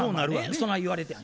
そない言われて。